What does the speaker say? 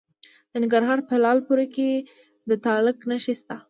د ننګرهار په لعل پورې کې د تالک نښې شته.